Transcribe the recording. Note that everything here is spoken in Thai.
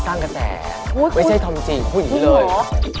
รอที่จะมาอัปเดตผลงานแล้วก็เข้าไปโด่งดังไกลถึงประเทศจีน